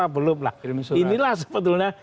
belum lah inilah sebetulnya